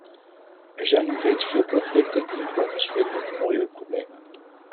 Er zijn nu reeds veel conflicten die hun wortels vinden in milieuproblemen.